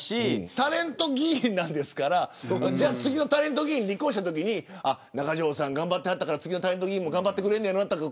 タレント議員なんですから次のタレント議員が立候補したときに中条さん頑張っていたから次の人も頑張ってくれるだろうなとか。